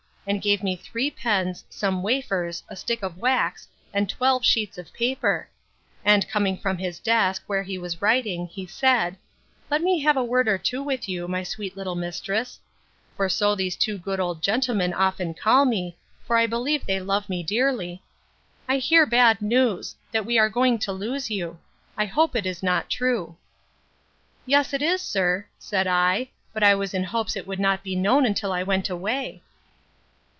and gave me three pens, some wafers, a stick of wax, and twelve sheets of paper; and coming from his desk, where he was writing, he said, Let me have a word or two with you, my sweet little mistress: (for so these two good old gentlemen often call me; for I believe they love me dearly:) I hear bad news; that we are going to lose you: I hope it is not true. Yes it is, sir, said I; but I was in hopes it would not be known till I went away.